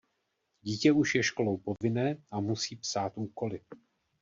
Dítě už je školou povinné a musí psát úkoly.